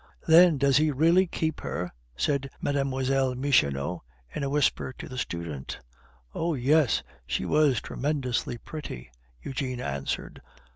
"Then does he really keep her?" said Mlle. Michonneau, in a whisper to the student. "Oh! yes, she was tremendously pretty," Eugene answered.